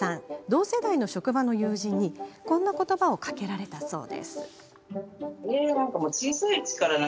同世代の職場の友人にこんなことばをかけられたそう。